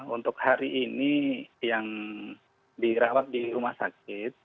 untuk hari ini yang dirawat di rumah sakit